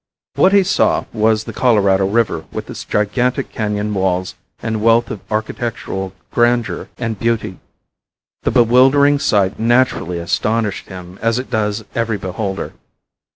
What he saw was the Colorado River with its gigantic canon walls and wealth of architectural grandeur and beauty. The bewildering sight naturally astonished him as it does every beholder.